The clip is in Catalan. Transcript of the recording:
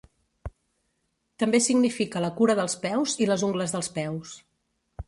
També significa la cura dels peus i les ungles dels peus.